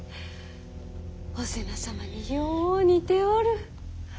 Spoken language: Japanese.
お瀬名様によう似ておる。